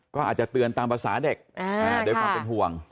ก็อาจจะเตือนตามภาษาเด็กด้วยความเป็นห่วง